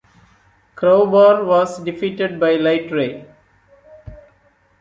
Crowbar was defeated by Lightray.